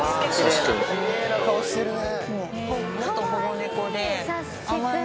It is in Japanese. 奇麗な顔してるね。